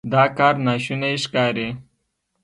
دا کار ناشونی ښکاري.